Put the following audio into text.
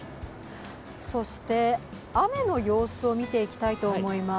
そして、雨の様子を見ていきたいと思います。